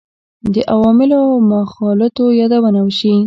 د عواملو او مغالطو یادونه وشي.